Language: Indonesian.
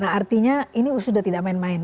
nah artinya ini sudah tidak main main